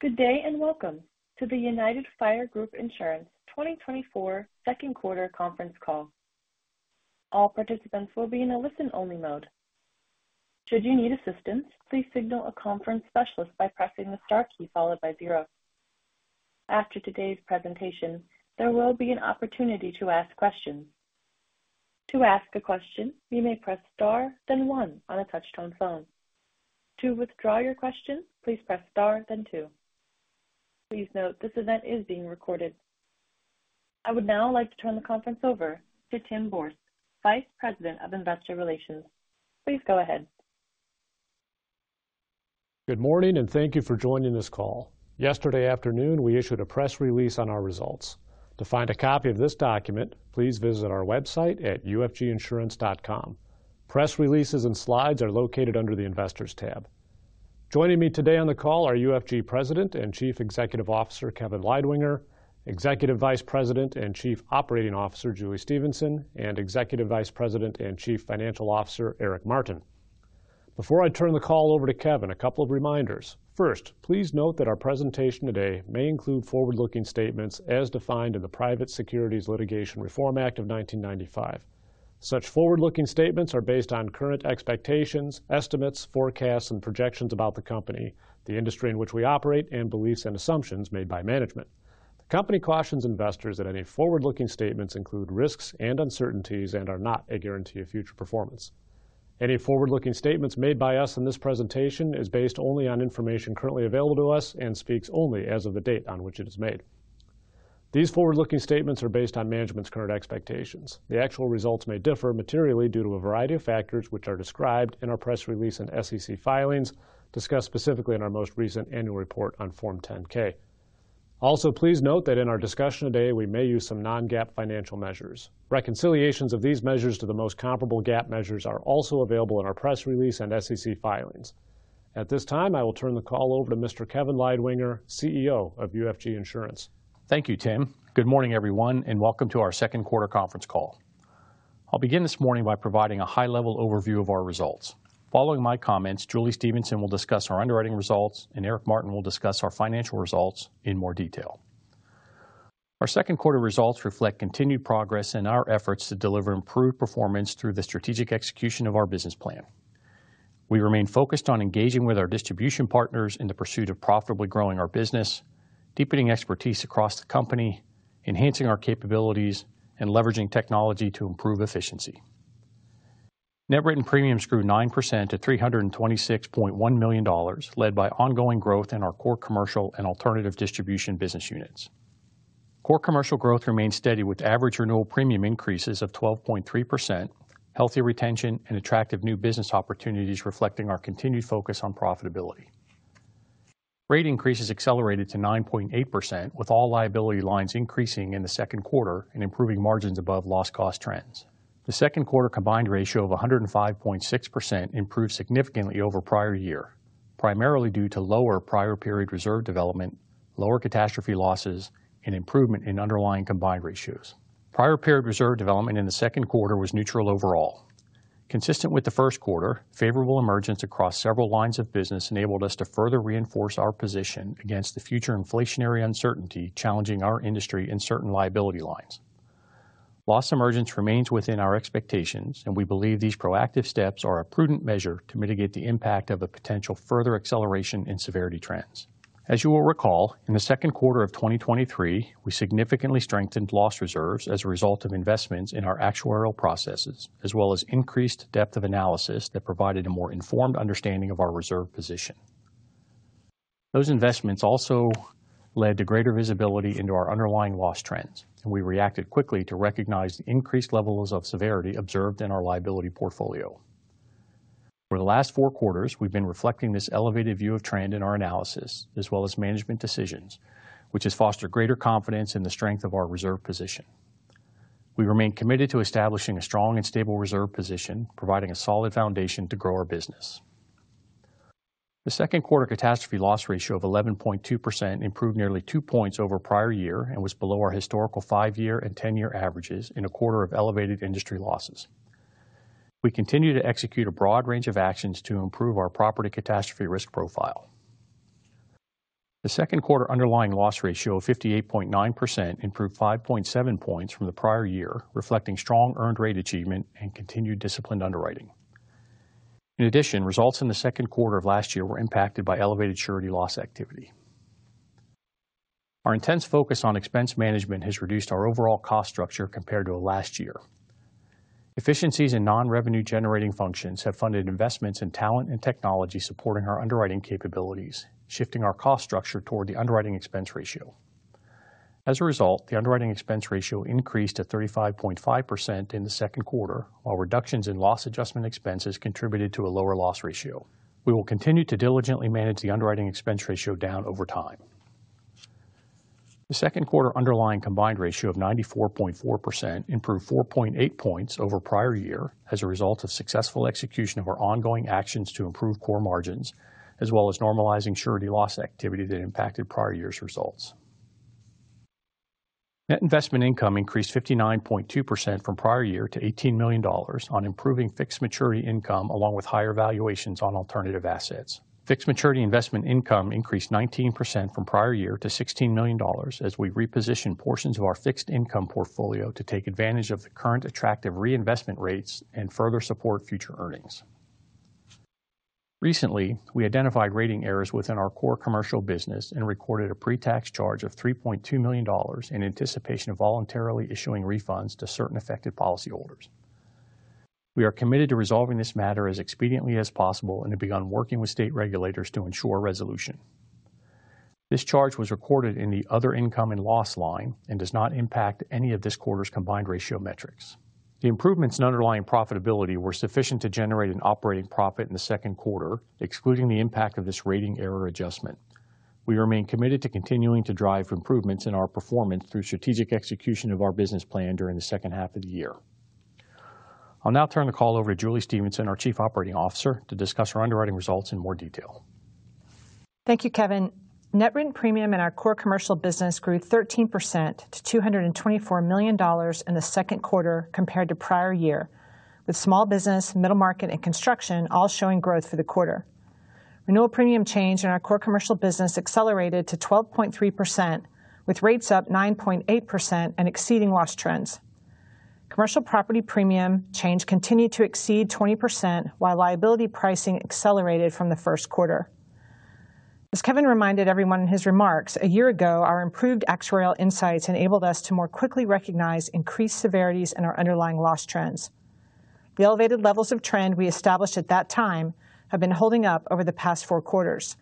Good day and welcome to the United Fire Group Insurance 2024 second quarter conference call. All participants will be in a listen-only mode. Should you need assistance, please signal a conference specialist by pressing the star key followed by zero. After today's presentation, there will be an opportunity to ask questions. To ask a question, you may press star, then one on a touch-tone phone. To withdraw your question, please press star, then two. Please note this event is being recorded. I would now like to turn the conference over to Timothy Borst, Vice President of Investor Relations. Please go ahead. Good morning and thank you for joining this call. Yesterday afternoon, we issued a press release on our results. To find a copy of this document, please visit our website at ufginsurance.com. Press releases and slides are located under the Investors tab. Joining me today on the call are UFG President and Chief Executive Officer Kevin Leidwinger, Executive Vice President and Chief Operating Officer Julie Stephenson, and Executive Vice President and Chief Financial Officer Eric Martin. Before I turn the call over to Kevin, a couple of reminders. First, please note that our presentation today may include forward-looking statements as defined in the Private Securities Litigation Reform Act of 1995. Such forward-looking statements are based on current expectations, estimates, forecasts, and projections about the company, the industry in which we operate, and beliefs and assumptions made by management. The company cautions investors that any forward-looking statements include risks and uncertainties and are not a guarantee of future performance. Any forward-looking statements made by us in this presentation is based only on information currently available to us and speaks only as of the date on which it is made. These forward-looking statements are based on management's current expectations. The actual results may differ materially due to a variety of factors which are described in our press release and SEC filings discussed specifically in our most recent annual report on Form 10-K. Also, please note that in our discussion today, we may use some non-GAAP financial measures. Reconciliations of these measures to the most comparable GAAP measures are also available in our press release and SEC filings. At this time, I will turn the call over to Mr. Kevin Leidwinger, CEO of UFG Insurance. Thank you, Tim. Good morning, everyone, and welcome to our second quarter conference call. I'll begin this morning by providing a high-level overview of our results. Following my comments, Julie Stephenson will discuss our underwriting results, and Eric Martin will discuss our financial results in more detail. Our second quarter results reflect continued progress in our efforts to deliver improved performance through the strategic execution of our business plan. We remain focused on engaging with our distribution partners in the pursuit of profitably growing our business, deepening expertise across the company, enhancing our capabilities, and leveraging technology to improve efficiency. Net written premiums grew 9% to $326.1 million, led by ongoing growth in our Core Commercial and Alternative Distribution business units. Core Commercial growth remained steady with average renewal premium increases of 12.3%, healthy retention, and attractive new business opportunities reflecting our continued focus on profitability. Rate increases accelerated to 9.8%, with all liability lines increasing in the second quarter and improving margins above loss-cost trends. The second quarter combined ratio of 105.6% improved significantly over prior year, primarily due to lower prior-period reserve development, lower catastrophe losses, and improvement in underlying combined ratios. Prior-period reserve development in the second quarter was neutral overall. Consistent with the first quarter, favorable emergence across several lines of business enabled us to further reinforce our position against the future inflationary uncertainty challenging our industry in certain liability lines. Loss emergence remains within our expectations, and we believe these proactive steps are a prudent measure to mitigate the impact of a potential further acceleration in severity trends. As you will recall, in the second quarter of 2023, we significantly strengthened loss reserves as a result of investments in our actuarial processes, as well as increased depth of analysis that provided a more informed understanding of our reserve position. Those investments also led to greater visibility into our underlying loss trends, and we reacted quickly to recognize the increased levels of severity observed in our liability portfolio. For the last four quarters, we've been reflecting this elevated view of trend in our analysis, as well as management decisions, which has fostered greater confidence in the strength of our reserve position. We remain committed to establishing a strong and stable reserve position, providing a solid foundation to grow our business. The second quarter catastrophe loss ratio of 11.2% improved nearly two points over prior year and was below our historical five-year and ten-year averages in a quarter of elevated industry losses. We continue to execute a broad range of actions to improve our property catastrophe risk profile. The second quarter underlying loss ratio of 58.9% improved 5.7 points from the prior year, reflecting strong earned rate achievement and continued disciplined underwriting. In addition, results in the second quarter of last year were impacted by elevated surety loss activity. Our intense focus on expense management has reduced our overall cost structure compared to last year. Efficiencies in non-revenue-generating functions have funded investments in talent and technology supporting our underwriting capabilities, shifting our cost structure toward the underwriting expense ratio. As a result, the underwriting expense ratio increased to 35.5% in the second quarter, while reductions in loss adjustment expenses contributed to a lower loss ratio. We will continue to diligently manage the underwriting expense ratio down over time. The second quarter underlying combined ratio of 94.4% improved 4.8 points over prior year as a result of successful execution of our ongoing actions to improve core margins, as well as normalizing surety loss activity that impacted prior year's results. Net investment income increased 59.2% from prior year to $18 million on improving fixed maturity income along with higher valuations on alternative assets. Fixed maturity investment income increased 19% from prior year to $16 million as we repositioned portions of our fixed income portfolio to take advantage of the current attractive reinvestment rates and further support future earnings. Recently, we identified rating errors within our core commercial business and recorded a pre-tax charge of $3.2 million in anticipation of voluntarily issuing refunds to certain affected policyholders. We are committed to resolving this matter as expediently as possible and have begun working with state regulators to ensure resolution. This charge was recorded in the other income and loss line and does not impact any of this quarter's combined ratio metrics. The improvements in underlying profitability were sufficient to generate an operating profit in the second quarter, excluding the impact of this rating error adjustment. We remain committed to continuing to drive improvements in our performance through strategic execution of our business plan during the second half of the year. I'll now turn the call over to Julie Stephenson, our Chief Operating Officer, to discuss our underwriting results in more detail. Thank you, Kevin. Net written premium in our Core Commercial business grew 13% to $224 million in the second quarter compared to prior year, with Small Business, Middle Market, and Construction all showing growth for the quarter. Renewal premium change in our Core Commercial business accelerated to 12.3%, with rates up 9.8% and exceeding loss trends. Commercial property premium change continued to exceed 20%, while liability pricing accelerated from the first quarter. As Kevin reminded everyone in his remarks, a year ago, our improved actuarial insights enabled us to more quickly recognize increased severities in our underlying loss trends. The elevated levels of trend we established at that time have been holding up over the past four quarters.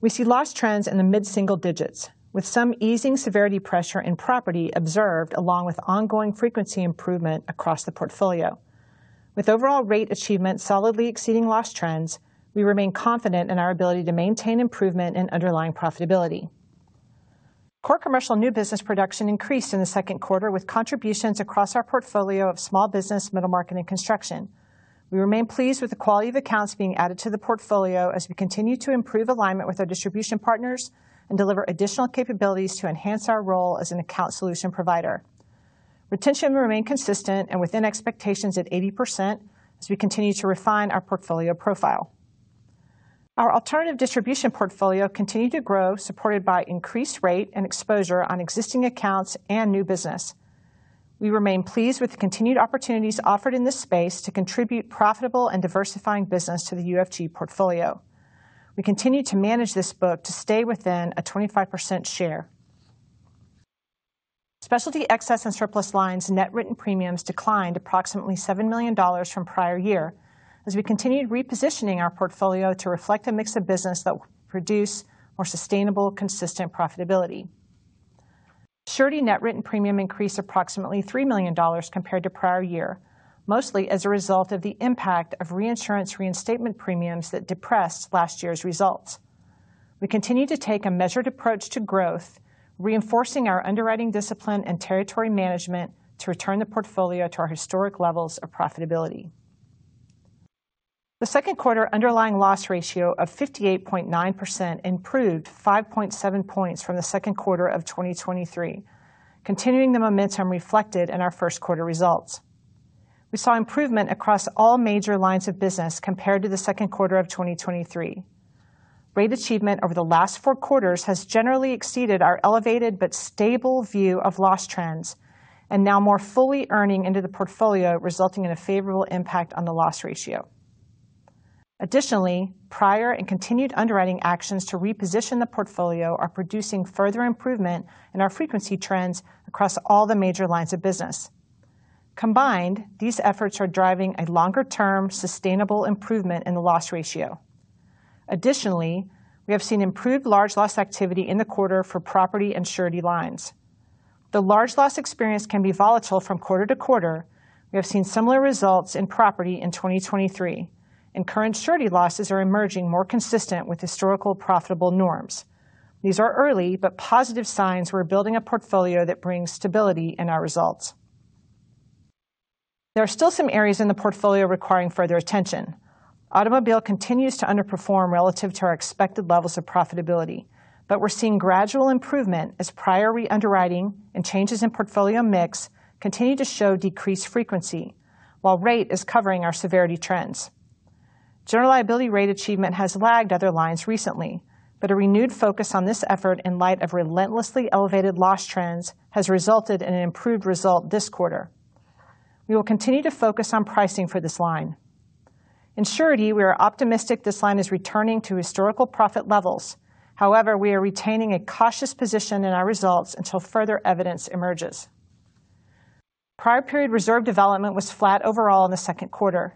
We see loss trends in the mid-single digits, with some easing severity pressure in property observed along with ongoing frequency improvement across the portfolio. With overall rate achievement solidly exceeding loss trends, we remain confident in our ability to maintain improvement in underlying profitability. Core Commercial new business production increased in the second quarter with contributions across our portfolio of Small Business, Middle Market, and Construction. We remain pleased with the quality of accounts being added to the portfolio as we continue to improve alignment with our distribution partners and deliver additional capabilities to enhance our role as an account solution provider. Retention remained consistent and within expectations at 80% as we continue to refine our portfolio profile. Our Alternative Distribution portfolio continued to grow, supported by increased rate and exposure on existing accounts and new business. We remain pleased with the continued opportunities offered in this space to contribute profitable and diversifying business to the UFG portfolio. We continue to manage this book to stay within a 25% share. Specialty Excess and Surplus Lines' net written premiums declined approximately $7 million from prior year as we continued repositioning our portfolio to reflect a mix of business that will produce more sustainable, consistent profitability. Surety net Written Premium increased approximately $3 million compared to prior year, mostly as a result of the impact of reinsurance reinstatement premiums that depressed last year's results. We continue to take a measured approach to growth, reinforcing our underwriting discipline and territory management to return the portfolio to our historic levels of profitability. The second quarter underlying loss ratio of 58.9% improved 5.7 points from the second quarter of 2023, continuing the momentum reflected in our first quarter results. We saw improvement across all major lines of business compared to the second quarter of 2023. Rate achievement over the last four quarters has generally exceeded our elevated but stable view of loss trends and now more fully earning into the portfolio, resulting in a favorable impact on the loss ratio. Additionally, prior and continued underwriting actions to reposition the portfolio are producing further improvement in our frequency trends across all the major lines of business. Combined, these efforts are driving a longer-term sustainable improvement in the loss ratio. Additionally, we have seen improved large loss activity in the quarter for property and surety lines. Though large loss experience can be volatile from quarter to quarter, we have seen similar results in property in 2023, and current surety losses are emerging more consistent with historical profitable norms. These are early but positive signs we're building a portfolio that brings stability in our results. There are still some areas in the portfolio requiring further attention. Automobile continues to underperform relative to our expected levels of profitability, but we're seeing gradual improvement as prior reunderwriting and changes in portfolio mix continue to show decreased frequency, while rate is covering our severity trends. General liability rate achievement has lagged other lines recently, but a renewed focus on this effort in light of relentlessly elevated loss trends has resulted in an improved result this quarter. We will continue to focus on pricing for this line. In Surety, we are optimistic this line is returning to historical profit levels. However, we are retaining a cautious position in our results until further evidence emerges. Prior-period reserve development was flat overall in the second quarter.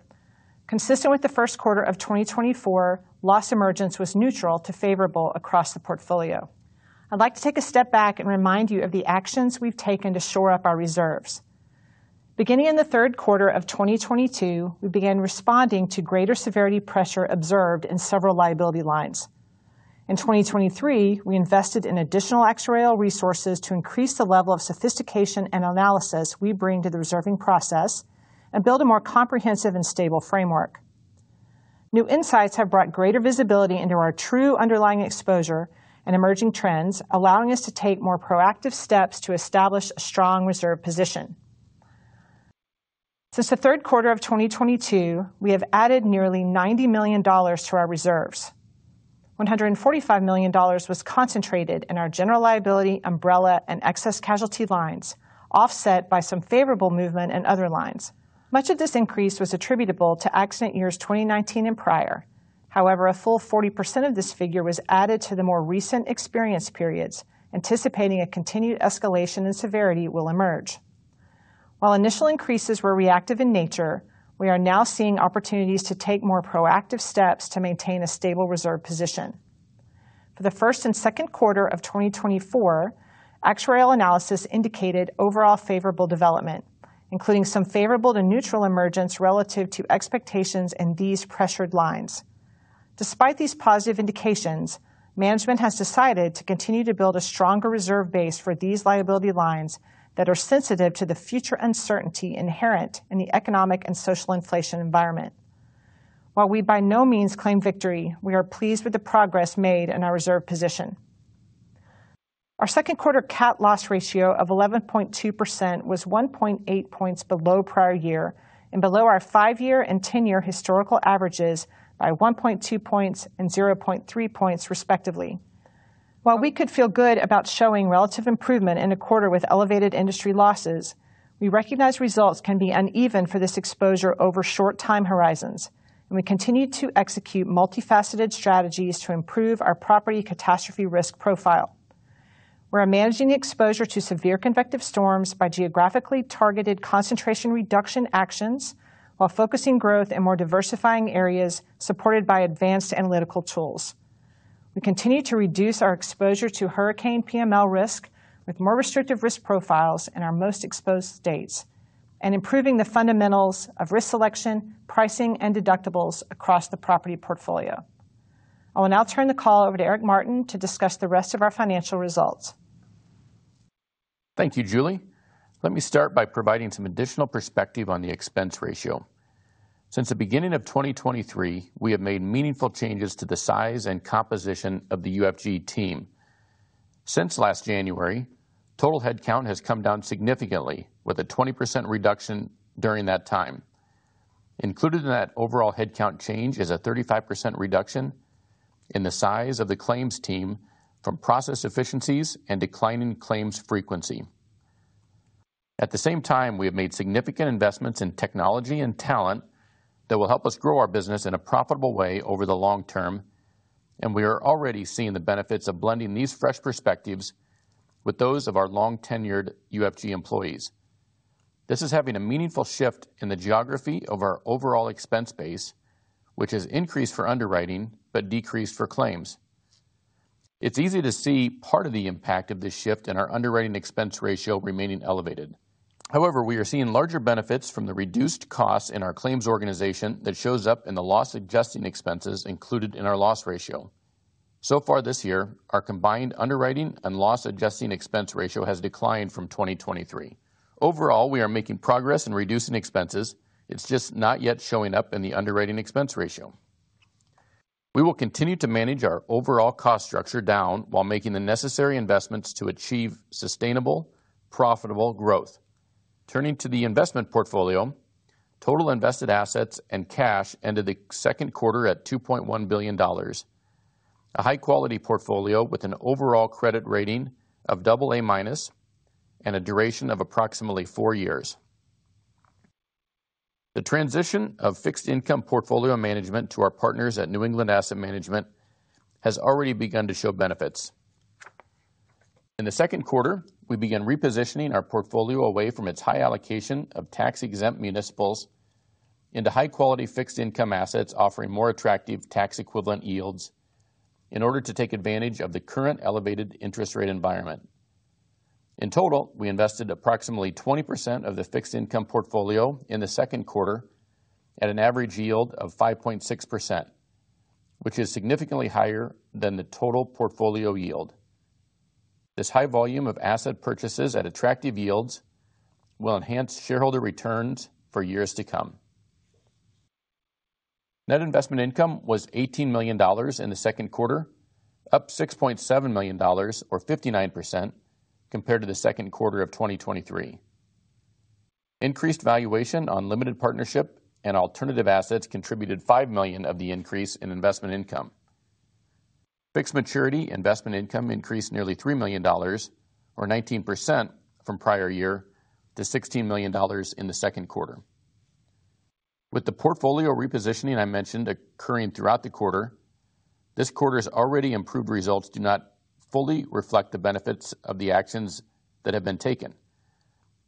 Consistent with the first quarter of 2024, loss emergence was neutral to favorable across the portfolio. I'd like to take a step back and remind you of the actions we've taken to shore up our reserves. Beginning in the third quarter of 2022, we began responding to greater severity pressure observed in several liability lines. In 2023, we invested in additional actuarial resources to increase the level of sophistication and analysis we bring to the reserving process and build a more comprehensive and stable framework. New insights have brought greater visibility into our true underlying exposure and emerging trends, allowing us to take more proactive steps to establish a strong reserve position. Since the third quarter of 2022, we have added nearly $90 million to our reserves. $145 million was concentrated in our general liability umbrella and excess casualty lines, offset by some favorable movement in other lines. Much of this increase was attributable to accident years 2019 and prior. However, a full 40% of this figure was added to the more recent experience periods, anticipating a continued escalation in severity will emerge. While initial increases were reactive in nature, we are now seeing opportunities to take more proactive steps to maintain a stable reserve position. For the first and second quarter of 2024, actuarial analysis indicated overall favorable development, including some favorable to neutral emergence relative to expectations in these pressured lines. Despite these positive indications, management has decided to continue to build a stronger reserve base for these liability lines that are sensitive to the future uncertainty inherent in the economic and social inflation environment. While we by no means claim victory, we are pleased with the progress made in our reserve position. Our second quarter CAT loss ratio of 11.2% was 1.8 points below prior year and below our five-year and 10-year historical averages by 1.2 points and 0.3 points, respectively. While we could feel good about showing relative improvement in a quarter with elevated industry losses, we recognize results can be uneven for this exposure over short-time horizons, and we continue to execute multifaceted strategies to improve our property catastrophe risk profile. We're managing the exposure to severe convective storms by geographically targeted concentration reduction actions while focusing growth in more diversifying areas supported by advanced analytical tools. We continue to reduce our exposure to hurricane PML risk with more restrictive risk profiles in our most exposed states and improving the fundamentals of risk selection, pricing, and deductibles across the property portfolio. I'll now turn the call over to Eric Martin to discuss the rest of our financial results. Thank you, Julie. Let me start by providing some additional perspective on the expense ratio. Since the beginning of 2023, we have made meaningful changes to the size and composition of the UFG team. Since last January, total headcount has come down significantly, with a 20% reduction during that time. Included in that overall headcount change is a 35% reduction in the size of the claims team from process efficiencies and declining claims frequency. At the same time, we have made significant investments in technology and talent that will help us grow our business in a profitable way over the long term, and we are already seeing the benefits of blending these fresh perspectives with those of our long-tenured UFG employees. This is having a meaningful shift in the geography of our overall expense base, which has increased for underwriting but decreased for claims. It's easy to see part of the impact of this shift in our underwriting expense ratio remaining elevated. However, we are seeing larger benefits from the reduced costs in our claims organization that shows up in the loss adjustment expenses included in our loss ratio. So far this year, our combined underwriting and loss adjustment expense ratio has declined from 2023. Overall, we are making progress in reducing expenses. It's just not yet showing up in the underwriting expense ratio. We will continue to manage our overall cost structure down while making the necessary investments to achieve sustainable, profitable growth. Turning to the investment portfolio, total invested assets and cash ended the second quarter at $2.1 billion. A high-quality portfolio with an overall credit rating of AA minus and a duration of approximately four years. The transition of fixed income portfolio management to our partners at New England Asset Management has already begun to show benefits. In the second quarter, we began repositioning our portfolio away from its high allocation of tax-exempt municipals into high-quality fixed income assets offering more attractive tax-equivalent yields in order to take advantage of the current elevated interest rate environment. In total, we invested approximately 20% of the fixed income portfolio in the second quarter at an average yield of 5.6%, which is significantly higher than the total portfolio yield. This high volume of asset purchases at attractive yields will enhance shareholder returns for years to come. Net investment income was $18 million in the second quarter, up $6.7 million, or 59%, compared to the second quarter of 2023. Increased valuation on limited partnership and alternative assets contributed $5 million of the increase in investment income. Fixed maturity investment income increased nearly $3 million, or 19%, from prior year to $16 million in the second quarter. With the portfolio repositioning I mentioned occurring throughout the quarter, this quarter's already improved results do not fully reflect the benefits of the actions that have been taken.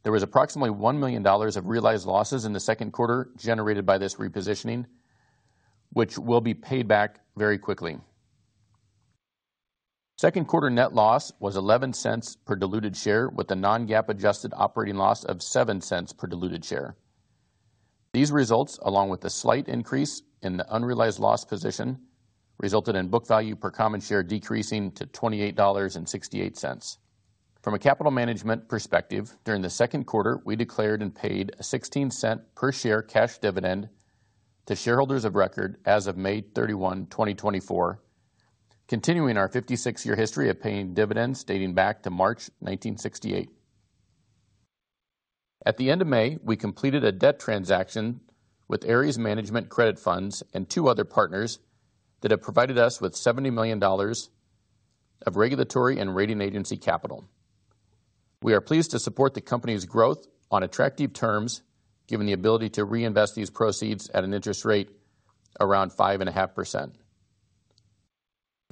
There was approximately $1 million of realized losses in the second quarter generated by this repositioning, which will be paid back very quickly. Second quarter net loss was $0.11 per diluted share with a non-GAAP adjusted operating loss of $0.07 per diluted share. These results, along with the slight increase in the unrealized loss position, resulted in book value per common share decreasing to $28.68. From a capital management perspective, during the second quarter, we declared and paid a $0.16 per share cash dividend to shareholders of record as of May 31, 2024, continuing our 56-year history of paying dividends dating back to March 1968. At the end of May, we completed a debt transaction with Ares Management Credit Funds and two other partners that have provided us with $70 million of regulatory and rating agency capital. We are pleased to support the company's growth on attractive terms, given the ability to reinvest these proceeds at an interest rate around 5.5%.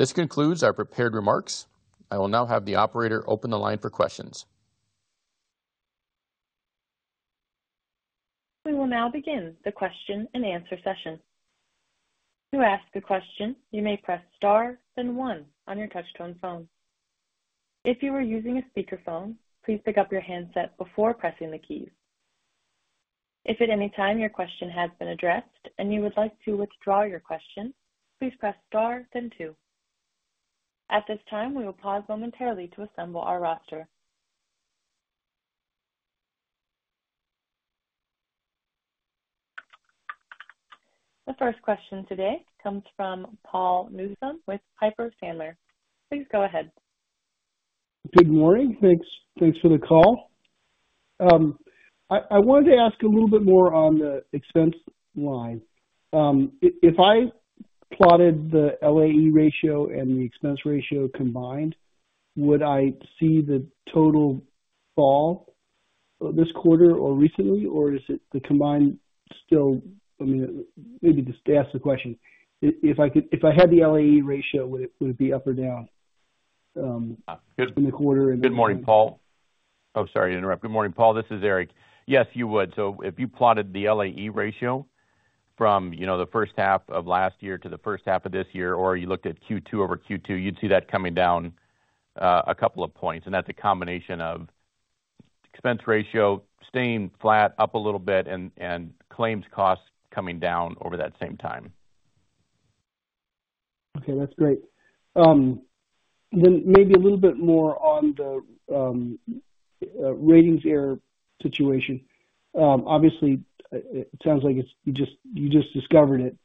This concludes our prepared remarks. I will now have the operator open the line for questions. We will now begin the question and answer session. To ask a question, you may press star then one on your touch-tone phone. If you are using a speakerphone, please pick up your handset before pressing the keys. If at any time your question has been addressed and you would like to withdraw your question, please press star then two. At this time, we will pause momentarily to assemble our roster. The first question today comes from Paul Newsome with Piper Sandler. Please go ahead. Good morning. Thanks for the call. I wanted to ask a little bit more on the expense line. If I plotted the LAE ratio and the expense ratio combined, would I see the total fall this quarter or recently, or is it the combined still? I mean, maybe just to ask the question, if I had the LAE ratio, would it be up or down in the quarter? Good morning, Paul. Oh, sorry to interrupt. Good morning, Paul. This is Eric. Yes, you would. So if you plotted the LAE ratio from the first half of last year to the first half of this year, or you looked at Q2 over Q2, you'd see that coming down a couple of points. And that's a combination of expense ratio staying flat up a little bit and claims costs coming down over that same time. Okay. That's great. Then maybe a little bit more on the ratings error situation. Obviously, it sounds like you just discovered it,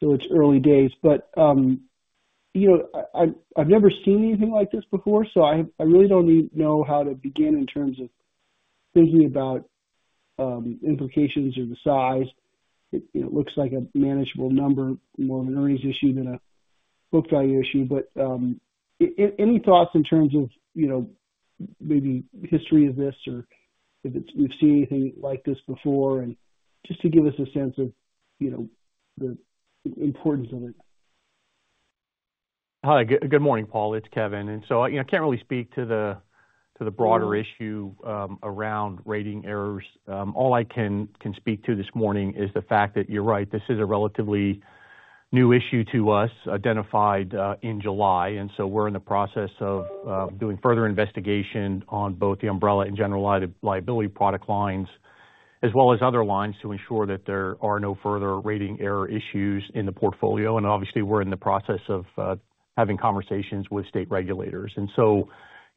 so it's early days. But I've never seen anything like this before, so I really don't even know how to begin in terms of thinking about implications or the size. It looks like a manageable number, more of an earnings issue than a book value issue. But any thoughts in terms of maybe history of this or if we've seen anything like this before? And just to give us a sense of the importance of it. Hi. Good morning, Paul. It's Kevin. And so I can't really speak to the broader issue around rating errors. All I can speak to this morning is the fact that you're right, this is a relatively new issue to us identified in July. And so we're in the process of doing further investigation on both the umbrella and general liability product lines, as well as other lines, to ensure that there are no further rating error issues in the portfolio. And obviously, we're in the process of having conversations with state regulators. And so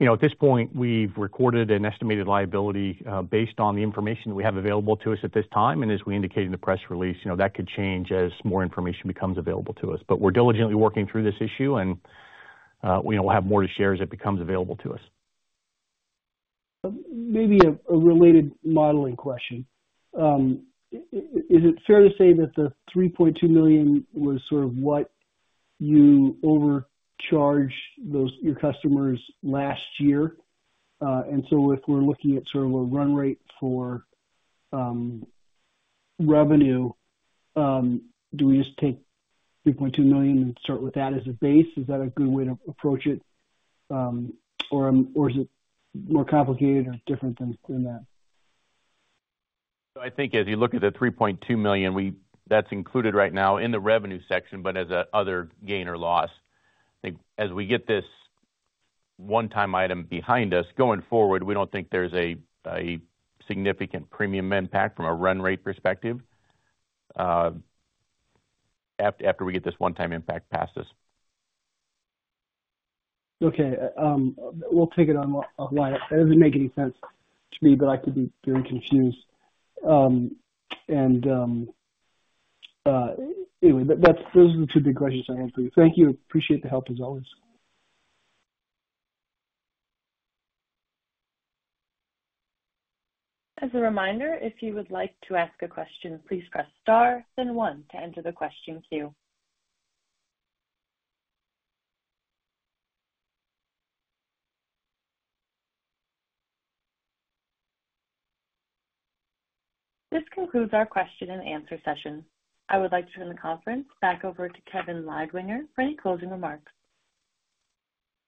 at this point, we've recorded an estimated liability based on the information that we have available to us at this time. And as we indicate in the press release, that could change as more information becomes available to us. But we're diligently working through this issue, and we'll have more to share as it becomes available to us. Maybe a related modeling question. Is it fair to say that the $3.2 million was sort of what you overcharged your customers last year? And so if we're looking at sort of a run rate for revenue, do we just take $3.2 million and start with that as a base? Is that a good way to approach it, or is it more complicated or different than that? I think as you look at the $3.2 million, that's included right now in the revenue section, but as another gain or loss. I think as we get this one-time item behind us, going forward, we don't think there's a significant premium impact from a run rate perspective after we get this one-time impact past us. Okay. We'll take it on a line. It doesn't make any sense to me, but I could be very confused. And anyway, those are the two big questions I have for you. Thank you. Appreciate the help, as always. As a reminder, if you would like to ask a question, please press star then one to enter the question queue. This concludes our question and answer session. I would like to turn the conference back over to Kevin Leidwinger for any closing remarks.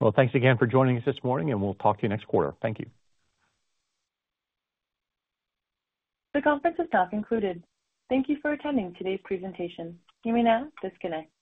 Well, thanks again for joining us this morning, and we'll talk to you next quarter. Thank you. The conference is now concluded. Thank you for attending today's presentation. You may now disconnect.